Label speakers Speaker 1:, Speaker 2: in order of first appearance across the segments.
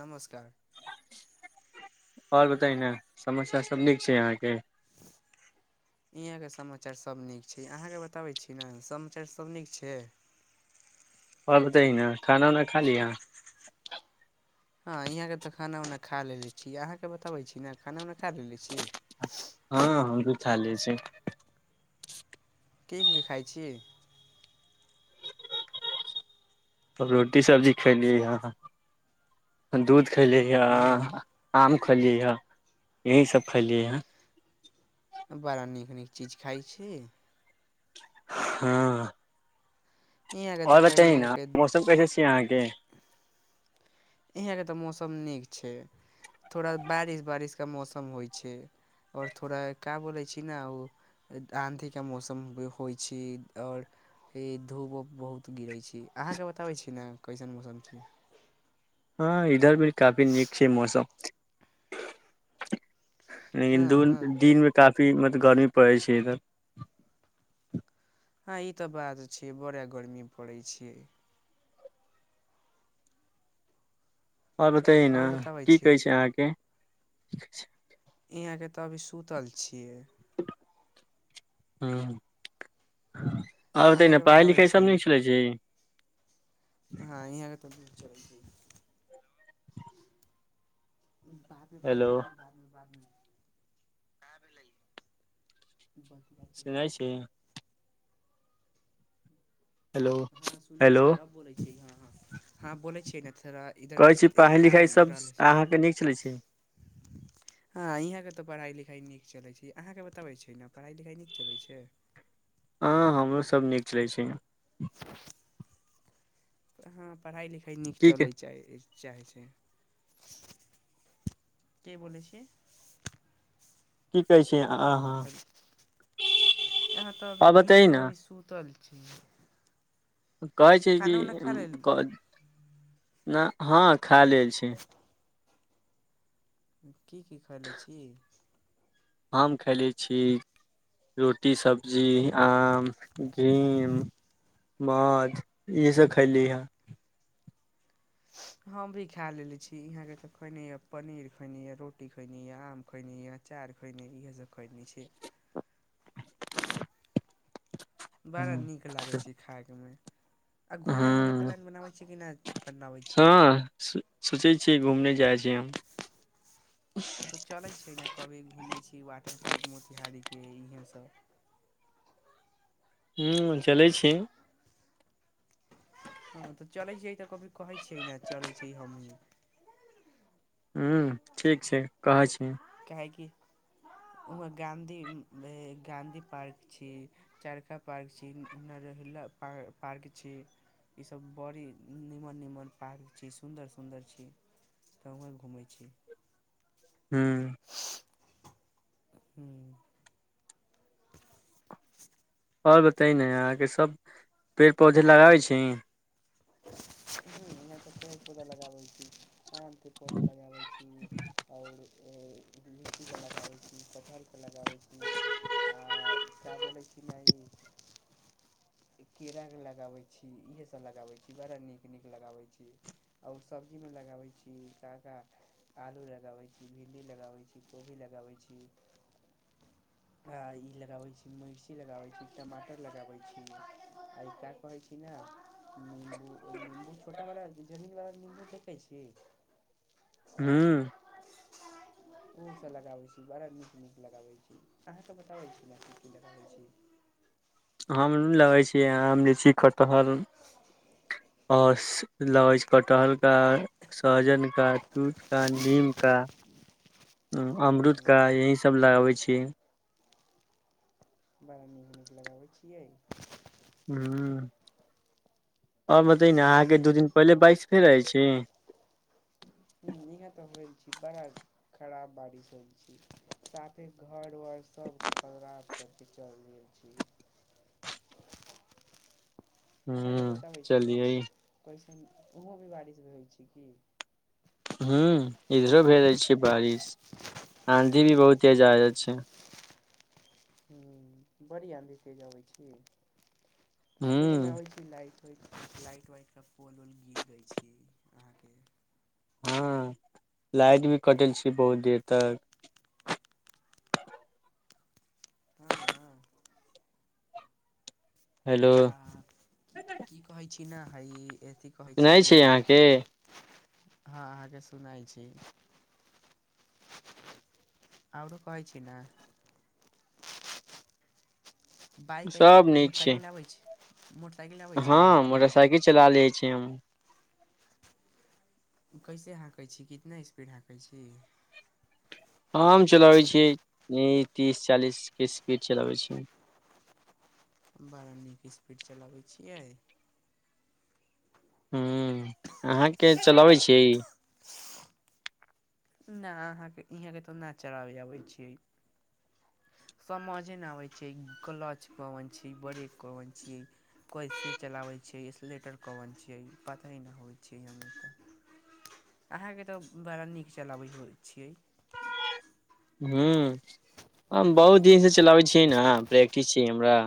Speaker 1: नमस्कार।
Speaker 2: और बताई ने समाचार सब नीक छै यहाँ के।
Speaker 1: यहाँ के समाचार सब नीक छै अहाँ केँ बताबै छी ने समाचार सब नीक छै।
Speaker 2: और बताई ने खाना-उना खा ली यहाँ।
Speaker 1: हाँ यहाँ के तऽ खाना-उना खा लेले छी, अहाँ के बताबै छी ने खाना-उना खा लेले छी।
Speaker 2: हाँ हम भी था ले छी।
Speaker 1: की-की खाय छी।
Speaker 2: रोटी, सब्जी खेयली हय, दूध खेलिया
Speaker 1: हँ
Speaker 2: आम खेलियै हय, यही सब खलियै हय।
Speaker 1: बड़ा नीक-नीक चीज खाय छी।
Speaker 2: हाँ।
Speaker 1: यहाँके तऽ
Speaker 2: और बताई
Speaker 1: खैनी
Speaker 2: ना
Speaker 1: के
Speaker 2: मौसम कैसे छियै अहाँके।
Speaker 1: यहाँ के तऽ मौसम नीक छै, थोड़ा बारिश-बारिश का मौसम होय छै और थोड़ा का बोलै छी ना उ आँधी का मौसम होय छी और ई धूप-उप बहुत गिरै छी, अहाँ के बताबै छी ने कैसन मौसम छै।
Speaker 2: हाँ इधर भी काफी नीक छै मौसम। लेकिन दून
Speaker 1: हँ
Speaker 2: दिन मे का दिन मे ते गरमी पड़ै छै इधर।
Speaker 1: हाँ ई तऽ बात छी बड़ा गर्मी पड़ै छी।
Speaker 2: और बताई ना
Speaker 1: आओर बताबै
Speaker 2: की
Speaker 1: छी
Speaker 2: कहै छै अहाँके। [unintelligible]
Speaker 1: इहाँ के ते अभी सुतल छियै।
Speaker 2: ह्म्म। और बताई ने
Speaker 1: अहाँके बताबै
Speaker 2: पढ़ाई-लिखाई
Speaker 1: छियै
Speaker 2: सब
Speaker 1: ने
Speaker 2: नीक चलै छी।
Speaker 1: चलु बाद मे फोन
Speaker 2: हेलो
Speaker 1: करै छी बाद मे, बाद मे। का भेले ब
Speaker 2: सुनै छी। हेलो
Speaker 1: हाँ सुनै
Speaker 2: हेलो
Speaker 1: छी, अब बोलै छी हाँ। हाँ-हाँ बोैलै छियै ने त
Speaker 2: कहै छी पढ़ाई-लिखाई सब अहाँके नीक चलै छै।
Speaker 1: हाँ इहाँ के तऽ पढ़ाई-लिखाई नीक चलै छी, अहाँके बताबै छी ना पढ़ाई-लिखाई नीक चलै छै।
Speaker 2: हाँ हमरो सब नीक चलै छै।
Speaker 1: हाँ पढ़ाई-लिख ई नीक
Speaker 2: की की
Speaker 1: चलै चाए चाहै छै। के बोलै छी।
Speaker 2: की कहै छ
Speaker 1: [unintelligible] यहाँ तो अभी
Speaker 2: आ बतै
Speaker 1: इहाँ तो
Speaker 2: ने
Speaker 1: अभी सुतल छै।
Speaker 2: कहै छै कि उम्म क ना हाँ खा लेल छी।
Speaker 1: ऊं की-की खायलै छी।
Speaker 2: हम खेएलै छी रोटी, सब्जी, आम, घीम, मौध इहे सब खेएली हय।
Speaker 1: हम भी खाय लेले छी, यहाँ के तऽ खैने या पनीर खैने या, रोटी खैने या, आम खैने या, अचार खैने इहे सब खैने छी। बड़ा नीक लागै छै खायक मे। आ
Speaker 2: ह
Speaker 1: घूमय-उमय के
Speaker 2: हँ
Speaker 1: प्लान बनाबै छियै कि ना पटना आबै छी।
Speaker 2: घुमने जाय छै।
Speaker 1: त चलै छै ने कभी घूमे छी वाटर पार्क मोतिहारी। के इहे सब
Speaker 2: ह्म्म चलै छी।
Speaker 1: हाँ तऽ चलै छीये ई ते कभी कहै छै ना चलै छी हमु।
Speaker 2: ह्म्म ठीक छै, कहै छी।
Speaker 1: काहे कि वहाँ गाँधी उम्म ए गाँधी पार्क छी, चरखा पार्क छी, उम्म नरेला पार पार्क छी, ई सब बड़ी नीमन-नीमन पार्क छी, सुन्दर-सुन्दर छी त उहे घूमै छी।
Speaker 2: ह्म्म।
Speaker 1: ह्म्म।
Speaker 2: और बताई ने अहाँ के सब पेड़-पौधे लगाबै छी।
Speaker 1: ह्म्म इहाँ ते पेड़-पौधा लगाबै छी। आम के पौधा लगाबै छी और अ लीची के लगाबै छी, कटहल के लगाबै छी आ का बोलै छी नै केरा के लगाबै छी, इहे सब लगाबै बड़ा नीक-नीक लगाबै छी और सब्जी मे लगाबै छी का-का आलू लगाबै छी, भिण्डी लगाबै छी, कोबी लगाबै छी आ ई लगाबै छी, मिर्ची लगाबै छी, टमाटर लगाबै छी आ ई का कहै छी ना उम्म उ निम्बू छोटा बाला जमीन वाला नींबू देखै छी।
Speaker 2: ह्म्म।
Speaker 1: फूल सब लगाबै छी, बड़ा नीक-नीक लगाबै छी, अहाँ सब बताबै छी ना की-की लगाबै छी।
Speaker 2: आम लगै छियै, आम, लीची, कटहल और लगै छै कटहल का, सहजन का, तूत का, नीम का अ अमरुद का
Speaker 1: हूँ
Speaker 2: यही सब लगाबै छीये।
Speaker 1: बड़ा नीक-नीक लगाबै छियै।
Speaker 2: ह्म्म और बताई ने अहाँके दू दिन
Speaker 1: हूँ
Speaker 2: पहिले बारिश भेल रहै छी।
Speaker 1: उम्म इहाँ ते होएल छी बड़ा खराब बारिश हो साथे घर-वर सब खराब क के चल गेल छी। अहाँ के
Speaker 2: हूं
Speaker 1: बताबै छी ना
Speaker 2: चलियै
Speaker 1: कैसन उहो भी बारिश भेल छै की।
Speaker 2: ह्म्म इधरो भेलै छै बारिश, आँधी भी बहुते जादा छै।
Speaker 1: ह्म्म बड़ी आंधी तेज आबै छी। सुनै मे
Speaker 2: हूं
Speaker 1: आबै छै लाइ [unintelligible] लाइट-वाइट का पोल-उल गिर जाय छी अहाँके।
Speaker 2: हाँ लाइट भी कटल छै बहुत देर तक।
Speaker 1: हाँ।
Speaker 2: हेलो
Speaker 1: आ की-की कहै छी। किना हई। ए सी कहै
Speaker 2: सुनै
Speaker 1: छी।
Speaker 2: अहाँके
Speaker 1: हाँ अहाँके सुनाय छी। आरो कहै छी ना। बाइक
Speaker 2: सब
Speaker 1: ए
Speaker 2: नीक छै
Speaker 1: मोटरसाइकिल आबै छै। मोटर
Speaker 2: हँ, मोटरसाइकिल चला ले छै। एम
Speaker 1: कैसे हाँकै छी, कितना स्पीड हाँकै छी।
Speaker 2: हम चलबै छियै, ई तीस चालीस के स्पीड चलावे छीै।
Speaker 1: बड़ा नीक स्पीड चलाबै छियै।
Speaker 2: ह्म, अहाँके चलाबै छि।
Speaker 1: ना अहाँके इहाँ के तो न चलाबे आबै छै। समझे नै आबै छै कलच कोन छी, ब्रेक कोन छी, कैसे चलाबै छीये, एक्सलेटर कोन छियै पते नै होय छीयै हम त अहाँके तऽ बड़ा नीक चलाबै होय छियै।
Speaker 2: ह्म्म हम बहुत दिन से चलाबै छियै ना प्रैक्टिस छै हमरा।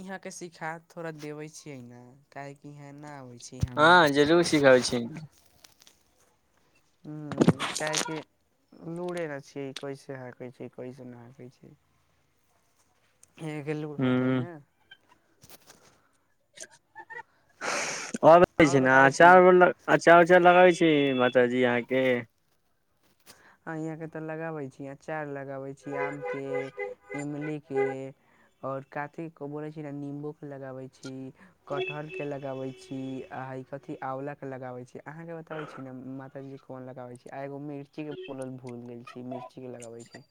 Speaker 1: इहाँ के सिखा थोड़ा देबे छीेये ना काहे कि इहां ना आवे
Speaker 2: हँ, जरूर सिखाउ छी।
Speaker 1: ह्म्म, काहे कि लूड़े न छ कैस हकै छै कइस नहि हकै छै। हे गेलू होतै न।
Speaker 2: ह [unintelligible] आओ
Speaker 1: आओर
Speaker 2: छै न,
Speaker 1: बताबै छी
Speaker 2: आचार व, अचार उचार लगवी छ की माताजी अहाँके
Speaker 1: आ यहाँ के ते लगाबे छीय, आचार ल गबै छी, आम के, इमली के और काते को बोले छै न नींबू के लगाबे छी। कटहल के लगाबै छी आही कथी आंवला के लगावे छैेह, आहा के बतावे छीे ने माताजी कोन लगावे छै, आ एगो मिर्ची के बोलल भूल गेल छी मिर्चीे लगाबै छी।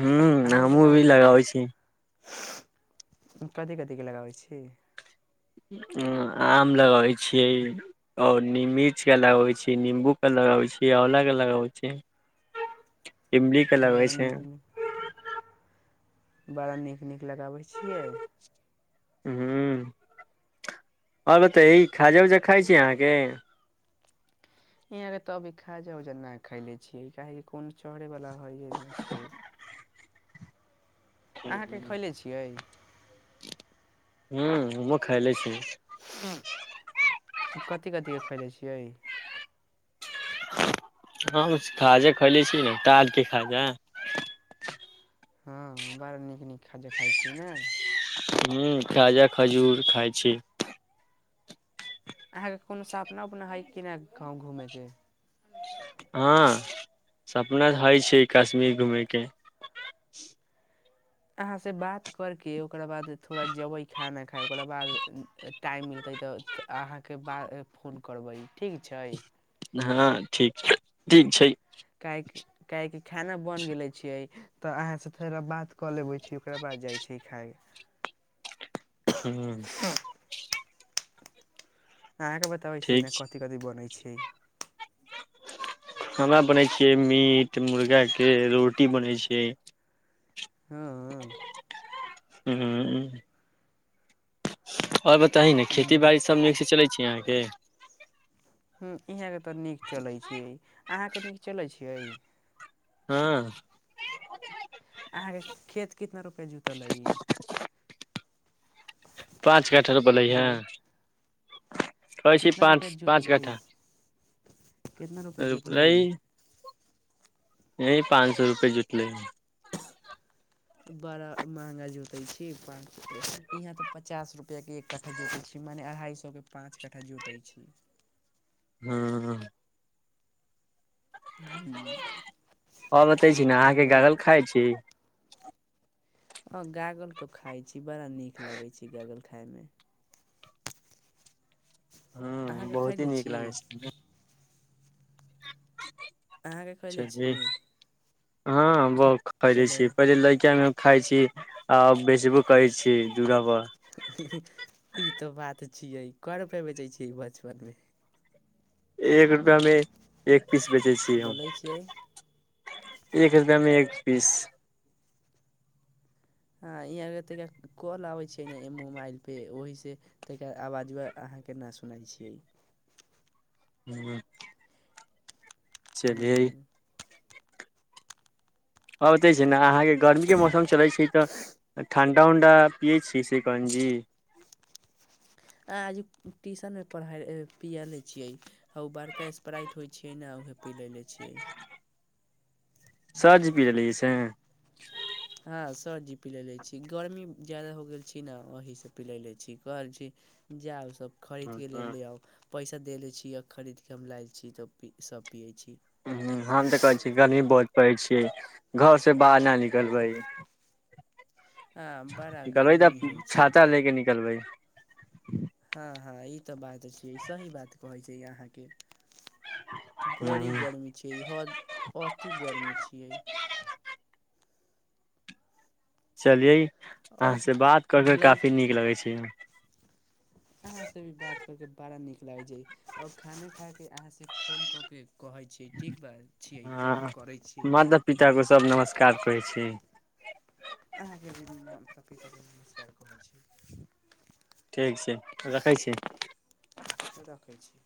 Speaker 2: हू, हमहूँ भी लगाबै छी।
Speaker 1: कथि कथि के लगाबै छी।
Speaker 2: आम लगाबै छियै आओर नि मिर्च के लगाबै छियै, निम्बू के लगाबै छियै, आंवला के लगाबै छियै। इमली के लगै
Speaker 1: बड़ा
Speaker 2: छै।
Speaker 1: नीक बड़ा नीक नीक लगाबै छियै।
Speaker 2: ह्म्म, आओर बतेई खाजा उजा खाइ छी अहाँके।
Speaker 1: यहाँ के त खाजा उजा नहि खायले छियै, काहि कोनो चढ़ेवला हइए नई छै। अहाँ के खईले छियै।
Speaker 2: हू, हमहु खायले छी।
Speaker 1: कती कती खईले छियई।
Speaker 2: हम खाजा खयले छी, तार के खाजा
Speaker 1: हँ, बड़ नीक नीक खाजा खाइत छियै न।
Speaker 2: ह्म्म, खाजा खजूर खाय छी।
Speaker 1: अहाँके कोनो सपना उपना हई कि ना कहू घूमय के।
Speaker 2: हँ, सपना हई छी कश्मीर घूमे के।
Speaker 1: अहाँसँ बात करके ओकरा बाद थोड़ा जेबै खाना खायइ ओकरा बाद टाइम मिलतै तऽ अहाँके ब फोन करबै ठीक छै।
Speaker 2: हँ ठीक छै ठीक छै।
Speaker 1: काह - काहक कि खाना बन गेले छियै तऽ अहाँसँ थोड़ा बात कऽ लेबै छी ओकरा बाद जाइ छै खाय
Speaker 2: हू
Speaker 1: अहाँके बताबै छी
Speaker 2: ठीक
Speaker 1: ने कथि कथि बनै छै? ए
Speaker 2: खाना बनै छियै मीट मुर्गा के, रोटी बनै छैियै।
Speaker 1: हँअ।
Speaker 2: हु। [unintelligible] आओर बताह न खेती बाी सब नीक से चलै छी अहाँके हे
Speaker 1: ह ई हेगत त नीक चले छी, अहां के नीक चले छी। हेई
Speaker 2: हँ।
Speaker 1: अहाँ के खेत कितना रूपे जुत तल इ
Speaker 2: पाँच कट्ठ रुप लैहे।
Speaker 1: बोलै कितना रुपआ जोत लई, कितना रुपआ जोत
Speaker 2: रोपलै
Speaker 1: लई।
Speaker 2: एहि पाँच सए रुपए जुतलइ।
Speaker 1: बर महंगा जोतै छी इहाँ तऽ पचास रुपआके क्ठा जोतैत छी। मने अढ़ाइ सएके पाँच कट्ठा जोतैत छी।
Speaker 2: हँ। हम जोतै छी ने अहाँके गरल खाइ छी। [inaudible]
Speaker 1: अ गागल तऽ खाइ छी बड़ा नीक लागै छै गगल खथमे।
Speaker 2: हँ बहुत ही नीक लागै छैमे
Speaker 1: अहाँकेँ कले छी।
Speaker 2: चलिये हँ बहुत खै
Speaker 1: हेलो
Speaker 2: छी पहिले लड़कामे खाय छी, आ बेचबो करै छी जूरा पर।
Speaker 1: ई तऽ बात तऽ छियै कर रूपे बेचै छियै बचपन मे।
Speaker 2: एक रुपआमे एक पीस बेचै छीय हम।
Speaker 1: बोलै छियै
Speaker 2: एक रुपया में एक पीस।
Speaker 1: हँ, ईहा गत्ते ग कॉल आबै छियै ने मोबाइल पे, ओहीसँ ता आवाज अहाँके नहि सुनै छियै।
Speaker 2: ह्म चलईयई
Speaker 1: हूँ
Speaker 2: आबतऽ छै ने अहाँके गर्मी के मौसम चलै छै तऽ ठण्डा उण्डा पियै छियै सिकंजी।
Speaker 1: आ आज ट्यूशनमे पढ़ाइ पियए लै छियै ह ओ बड़का स्प्राइट होइ छियै ने उह पी लै ले छियै।
Speaker 2: सझ पी रहली से
Speaker 1: हँ, सरजी पिलै लै छी गर्मी ज्यादा हो गेल छी ने ओहीसँ पिलै लैत छी कहल छी जाउ सभ खरीद के ले
Speaker 2: हम
Speaker 1: ले आउ पैसा दे लै छी आओर खरीदके हम ला लै छी तऽ सब पिए छी।
Speaker 2: हम तऽ कहै छी गर्मी बहुत पड़ै छी, घर सँ बाहर नहि निकलबई।
Speaker 1: हँ बड़ा
Speaker 2: निकलबै तऽ
Speaker 1: गर्मी होइ छी
Speaker 2: छाता ले के निकलबई।
Speaker 1: हँ, हँ, ई तऽ बात छियै, सही बात कहै छै अहाँके। बड़ी
Speaker 2: ह
Speaker 1: गर्मी छियैई, ह अति गर्मी छियै।
Speaker 2: चलियई
Speaker 1: आओर
Speaker 2: अहा से बात करके काफी नीक लगे छै।
Speaker 1: अहा से भी बात करके बड़ा नीक लागै छै, अ खाने खा से अहा से फोन क के कहाई छी, ठीक बा छीयई तब
Speaker 2: हँ
Speaker 1: करई छी।
Speaker 2: माता पिता को सब नमस्कार कहै छी
Speaker 1: अहाँके भी माता पिता को नमस्कार कहै छी।
Speaker 2: ठीक छै, रखै छी।
Speaker 1: रखै छी